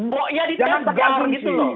boknya di tanggal gitu loh